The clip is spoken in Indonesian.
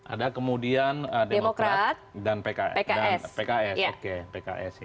ada kemudian demokrat dan pks